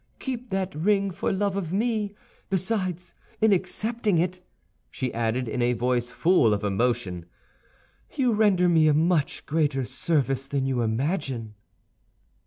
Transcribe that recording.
Keep that ring for love of me. Besides, in accepting it," she added, in a voice full of emotion, "you render me a much greater service than you imagine."